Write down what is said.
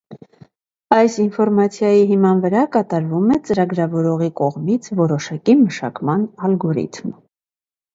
Այս ինֆորմացիայի հիման վրա կատարվում է ծրագրավորողի կողմից որոշակի մշակման ալգորիթմ։